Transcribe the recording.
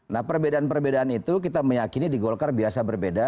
nah perbedaan perbedaan itu kita meyakini di golkar biasa berbeda